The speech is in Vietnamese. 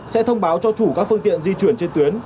sẽ thông báo cho chủ các phương tiện di chuyển trên tuyến